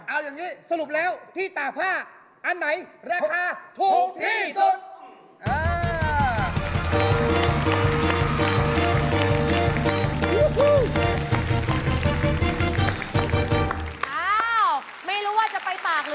เอาอย่างนี้สรุปแล้วที่ตากผ้าอันไหนราคาถูกที่สุด